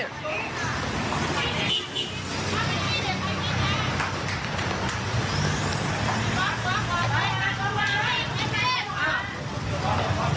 มานะ